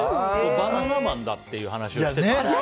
バナナマンだったっていう話をしてた。